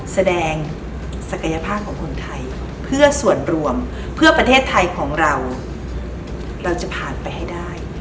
แสดงศักยภาพของคนไทยเพื่อส่วนรวมเพื่อประเทศไทยของเราเราจะผ่านไปให้ได้